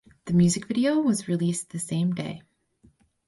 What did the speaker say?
The music video was released the same day.